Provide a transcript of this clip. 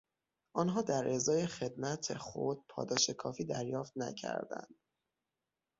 آنها در ازای خدمت خود پاداش کافی دریافت نکردند.